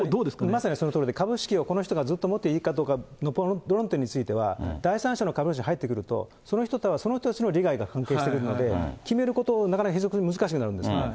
まさにそのとおりで、株式をこの人がずっと持っていいかという論点については、第三者の考えが入ってくると、その人たちの利害が関係してくるので、決めることがなかなか非常に難しくなるんですね。